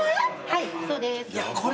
はいそうです。